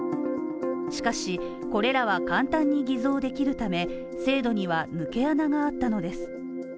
しかし、これらは簡単に偽造できるため、制度には抜け穴があったのです